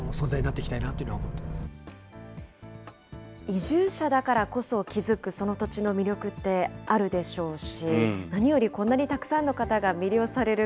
移住者だからこそ気付くその土地の魅力ってあるでしょうし、何よりこんなにたくさんの方が魅了される